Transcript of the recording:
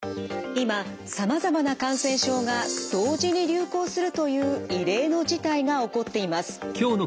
今さまざまな感染症が同時に流行するという異例の事態が起こっています。